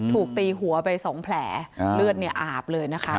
ถูกตีหัวไป๒แผลเลือดเนี่ยอาบเลยนะคะ